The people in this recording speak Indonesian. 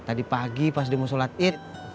tadi pagi pas dia mau sholat id